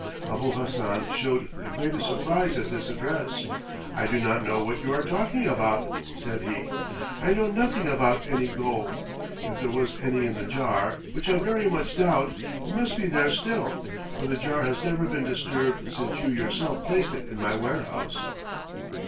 Abul Hassan showed the greatest surprise at this address. "I do not know what you are talking about," said he. "I know nothing about any gold. If there was any in the jar, which I very much doubt, it must be there still, for the jar has never been disturbed since you yourself placed it in my warehouse."